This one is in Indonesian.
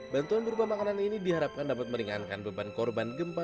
bantuan berupa makanan ini diharapkan dapat meringankan beban korban gempa